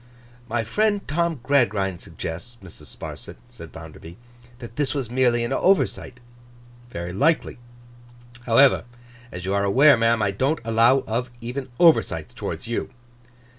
'My friend Tom Gradgrind suggests, Mrs. Sparsit,' said Bounderby, 'that this was merely an oversight. Very likely. However, as you are aware, ma'am, I don't allow of even oversights towards you.